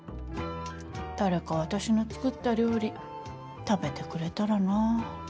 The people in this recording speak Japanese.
誰か私の作った料理食べてくれたらなあ。